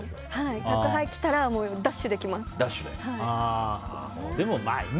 宅配来たらダッシュで着ます。